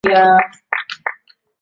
Nguo zangu